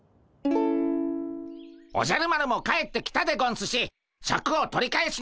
おじゃる丸も帰ってきたでゴンスしシャクを取り返しに行くでゴンス！